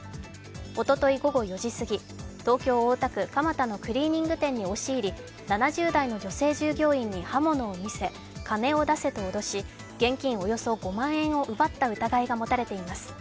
おととい午後４時すぎ、東京・大田区蒲田のクリーニング店に押し入り、７０代の女性従業員に刃物を見せ金を出せと脅し現金およそ５万円を奪った疑いが持たれています。